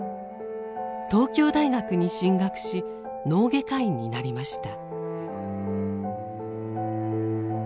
東京大学に進学し脳外科医になりました。